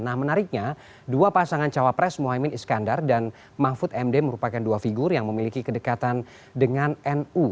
nah menariknya dua pasangan cawapres mohaimin iskandar dan mahfud md merupakan dua figur yang memiliki kedekatan dengan nu